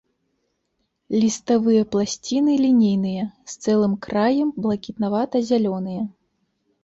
Ліставыя пласціны лінейныя, з цэлым краем, блакітнавата-зялёныя.